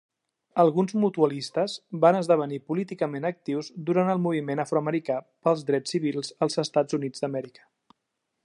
Alguns "mutualistes" van esdevenir políticament actius durant el Moviment afroamericà pels drets civils als Estats Units d'Amèrica.